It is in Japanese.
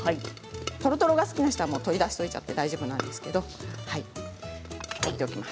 とろとろが好きな人は取り出しちゃって大丈夫です。